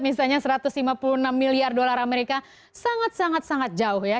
misalnya satu ratus lima puluh enam miliar dolar amerika sangat sangat jauh ya